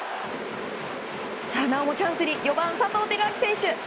なおもチャンスに４番、佐藤輝明選手。